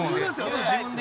自分で。